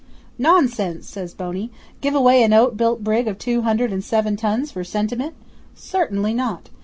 '"Nonsense!" says Boney. "Give away an oak built brig of two hundred and seven tons for sentiment? Certainly not!